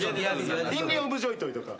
インリン・オブ・ジョイトイとか。